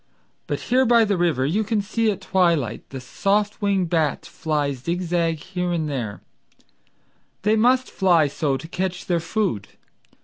But here by the river you can see at twilight The soft winged bats fly zig zag here and there— They must fly so to catch their food.